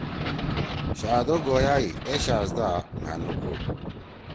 شادو گویا ہی: ”اے شہزَدا! مھأ نہ کُوڑ!